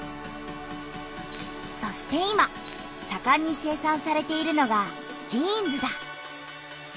そして今さかんに生産されているのがジーンズだ。